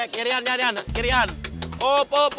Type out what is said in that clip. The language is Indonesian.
kejaran kita nih coy